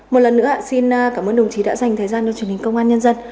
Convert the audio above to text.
một lần nữa xin cảm ơn đồng chí đã dành thời gian cho truyền hình công an nhân dân